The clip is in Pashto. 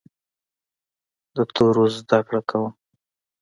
د تورو زده کړه کوم.